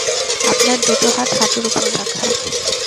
আপনার দুটো হাত হাঁটুর ওপর রাখা।